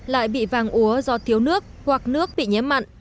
lại bị vàng úa do thiếu nước hoặc nước bị nhiễm mặn